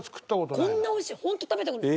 こんな美味しいホント食べた事ない。